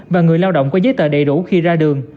và người lao động có giấy tờ đầy đủ khi ra đường